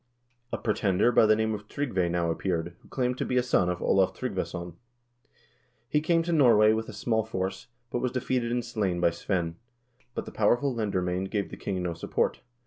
2 A pretender by the name of Tryggve now appeared, who claimed to be a son of Olav Tryggvason. He came to Norway with a small force, but was defeated and slain by Svein. But the powerful lendermcend gave the king no support.